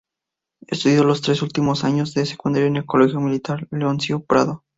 Estudió los tres últimos años de secundaria en el Colegio Militar Leoncio Prado.